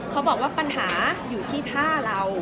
เขาบอกว่าปัญหาอยู่ที่ท่าเรา